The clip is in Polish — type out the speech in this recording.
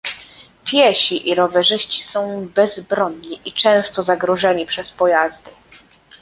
Piesi i rowerzyści są bezbronni i często zagrożeni przez pojazdy